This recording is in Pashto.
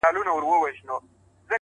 د ښكلي سولي يوه غوښتنه وكړو ـ